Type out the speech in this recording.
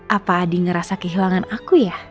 apa adi ngerasa kehilangan aku ya